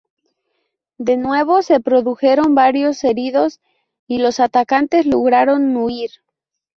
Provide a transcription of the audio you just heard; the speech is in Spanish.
De nuevo, se produjeron varios heridos y los atacantes lograron huir.